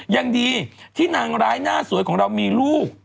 ยังดีที่นางร้ายหน้าสวยของเรามีลูก